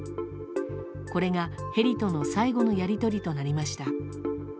これが、ヘリとの最後のやり取りとみられました。